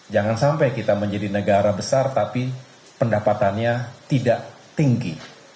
jangan sampai kita menjadi negara besar tapi pendapatannya tidak tinggi